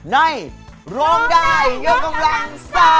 ในรองดายเยอะกำลัง๓